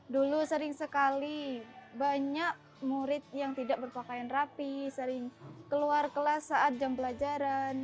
dulu sering sekali banyak murid yang tidak berpakaian rapi sering keluar kelas saat jam pelajaran